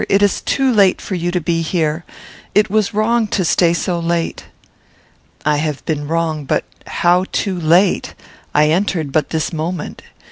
It is too late for you to be here. It was wrong to stay so late." "I have been wrong; but how too late? I entered but this moment.